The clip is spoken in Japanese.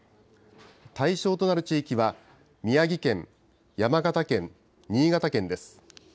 対象となる地域は、宮城県、山形県、新潟県です。